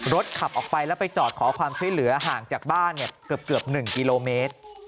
ขับออกไปแล้วไปจอดขอความช่วยเหลือห่างจากบ้านเกือบ๑กิโลเมตร